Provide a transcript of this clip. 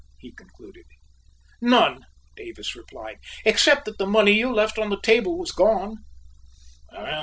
he concluded. "None," Davis replied, "except that the money you left on the table was gone."